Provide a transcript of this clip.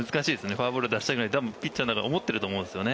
フォアボールを出したくないとピッチャーだと思ってると思うんですよね。